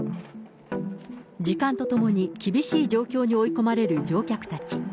時間とともに厳しい状況に追い込まれる乗客たち。